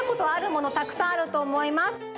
たくさんあるとおもいます。